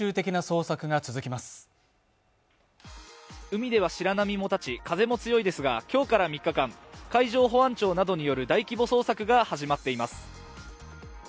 海では白波も立ち風も強いですが、今日から３日間、海上保安庁などによる大規模捜索が始まっています。